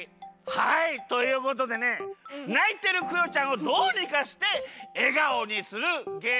はいということでねないてるクヨちゃんをどうにかしてえがおにするゲームでございます。